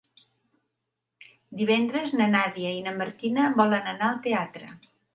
Divendres na Nàdia i na Martina volen anar al teatre.